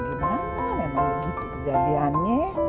tapi ya bagaimana emang begitu kejadiannya